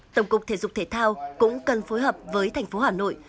tổng cục thể dục thể thao cũng cần phối hợp với thành phố hà nội